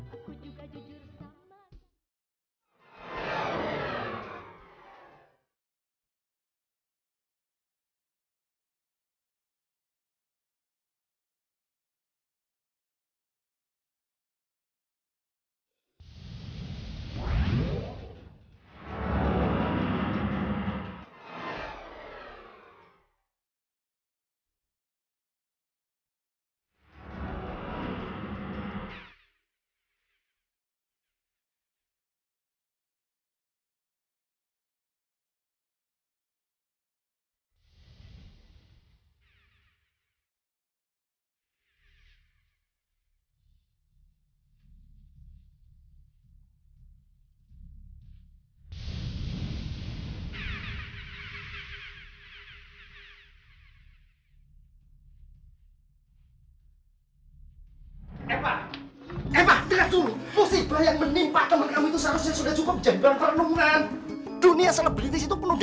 aku juga bohong sama kamu